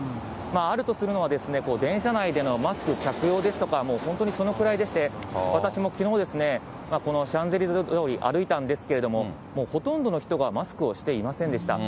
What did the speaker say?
あるとするのは、電車内でのマスク着用ですとか、もう本当にそのくらいでして、私もきのう、このシャンゼリゼ通り、歩いたんですけども、もうほとんどの人がマスクをしていませんでした。